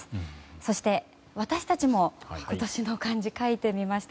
そして、私たちも今年の漢字を書いてみました。